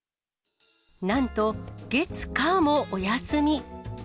なんと、月火もお休み。